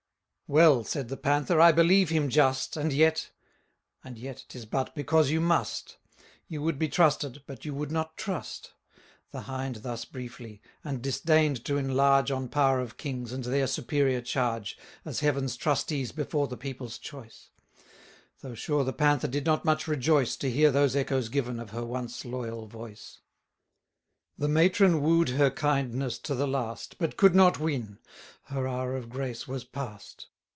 Well, said the Panther, I believe him just, And yet And yet, 'tis but because you must; You would be trusted, but you would not trust. The Hind thus briefly; and disdain'd to enlarge On power of kings, and their superior charge, As Heaven's trustees before the people's choice: 890 Though sure the Panther did not much rejoice To hear those echoes given of her once loyal voice. The matron woo'd her kindness to the last, But could not win; her hour of grace was past.